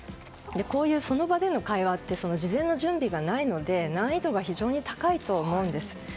こういうその場での会話って事前の準備がないので難易度が非常に高いと思うんです。